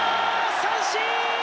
三振！